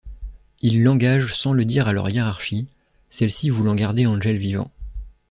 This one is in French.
Ils l'engagent sans le dire à leur hiérarchie, celle-ci voulant garder Angel vivant.